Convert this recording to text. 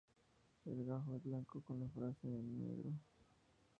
El gajo es blanco con la frase en negro.